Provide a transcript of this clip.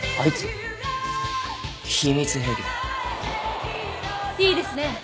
いいですね。